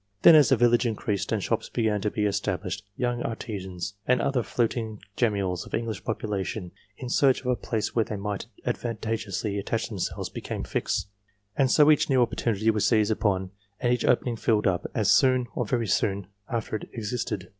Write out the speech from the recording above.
Then as the village increased and shops began to be established, young artisans, and other floating gemmules of English population, in search of a place where they might advantageously attach them selves, became fixed, and so each new opportunity was seized upon and each opening filled up, as soon or very soon after it existed.